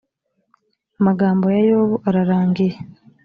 amagambo ya yobu ararangiye